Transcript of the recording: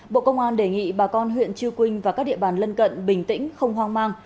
bộ công an đề nghị bà con huyện chư quynh và các địa bàn lân cận bình tĩnh không hoang mang